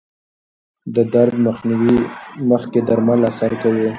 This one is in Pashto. د درد مخنیوي مخکې درمل اثر کوي.